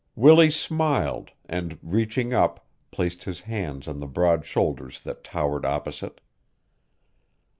Willie smiled and, reaching up, placed his hands on the broad shoulders that towered opposite.